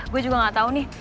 gue juga gak tau nih